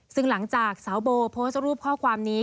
ซึ่งหลังจากสาวโบโพสต์รูปข้อความนี้